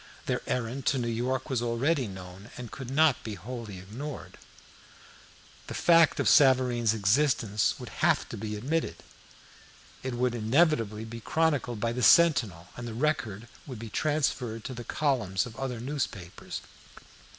Their errand to New York was already known, and could not be wholly ignored. The fact of Savareen's existence would have to be admitted. It would inevitably be chronicled by the Sentinel, and the record would be transferred to the columns of other newspapers.